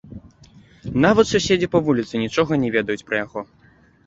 Нават суседзі па вуліцы нічога не ведаюць пра яго.